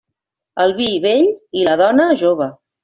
El vi, vell; i la dona, jove.